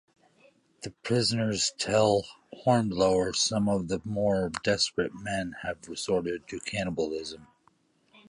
The prisoners tell Hornblower some of the more desperate men have resorted to cannibalism.